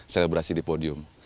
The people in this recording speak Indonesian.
selebrasi di podium